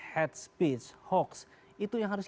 hate speech hoax itu yang harus